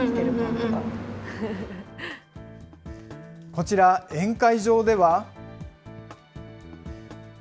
こちら、宴会場では。